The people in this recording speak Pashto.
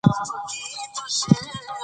زه بخښنه ورته غواړم له باداره